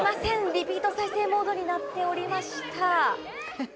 リピート再生モードになっておりました。